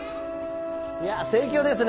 いや盛況ですね。